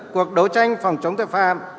cuộc đấu tranh phòng chống tội phạm